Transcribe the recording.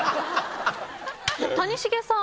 谷繁さん